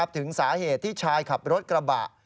ถึงสาเหตุที่ชายขับรถกระบะ